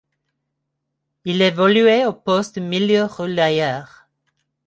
Il évoluait au poste de milieu relayeur.